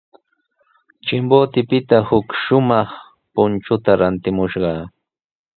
Chimbotepita huk shumaq punchuta rantimushqa.